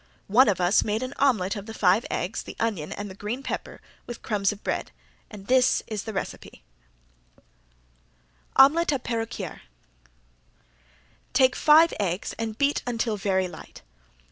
One of us made an omelet of the five eggs, the onion and the green pepper, with crumbs of bread, and this is the recipe: Omelet a la Peruquier Take five eggs and beat until very light.